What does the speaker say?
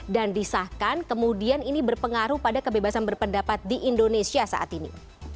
dan disahkan kemudian ini berpengaruh pada kebebasan berpendapat di indonesia saat ini